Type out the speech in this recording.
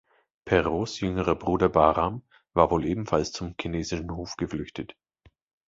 Peroz’ jüngerer Bruder Bahram war wohl ebenfalls zum chinesischen Hof geflüchtet.